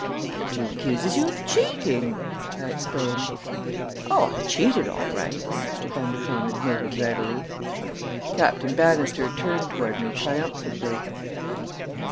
"But he accuses you of cheating!" I exclaimed. "Oh, I cheated all right!" Mr. Bundercombe admitted readily. Captain Bannister turned toward me triumphantly.